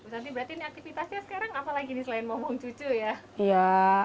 santi berarti ini aktivitasnya sekarang apalagi selain ngomong cucu ya